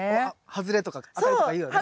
外れとか当たりとか言うよね。